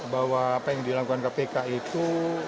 bahwa apa yang dilakukan kpk itu